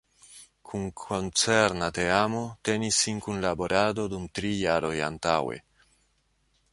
Kun koncerna teamo tenis sin kunlaborado dum tri jaroj antaŭe.